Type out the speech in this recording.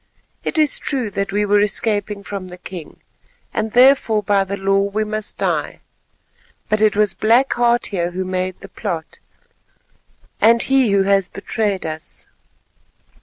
It is true that we were escaping from the king, and therefore by the law we must die; but it was Black Heart here who made the plot, and he who has betrayed us.